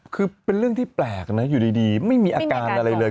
คือเป็นเรื่องที่แปลกนะอยู่ดีไม่มีอาการอะไรเลย